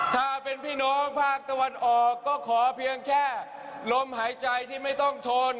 ถ้าเป็นพี่น้องภาคตะวันออกก็ขอเพียงแค่ลมหายใจที่ไม่ต้องทน